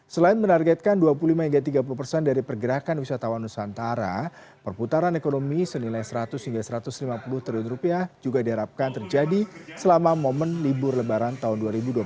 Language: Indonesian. selain menargetkan dua puluh lima hingga tiga puluh persen dari pergerakan wisatawan nusantara perputaran ekonomi senilai seratus hingga satu ratus lima puluh triliun rupiah juga diharapkan terjadi selama momen libur lebaran tahun dua ribu dua puluh satu